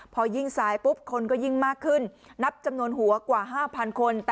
พอยิ่งซ้ายปุ๊บคนก็ยิ่งมากขึ้นนับจำนวนหัวกว่า๕๐๐คน